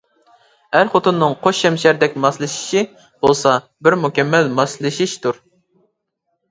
ئەر-خوتۇننىڭ قوش شەمشەردەك ماسلىشىشى بولسا بىر مۇكەممەل ماسلىشىشتۇر.